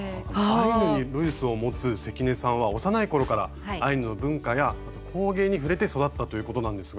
アイヌにルーツを持つ関根さんは幼い頃からアイヌの文化や工芸に触れて育ったということなんですが。